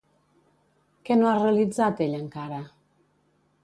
Què no ha realitzat ell encara?